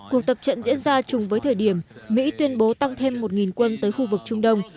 cuộc tập trận diễn ra chung với thời điểm mỹ tuyên bố tăng thêm một quân tới khu vực trung đông